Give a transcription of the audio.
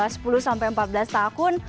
sepuluh sampai empat belas tahun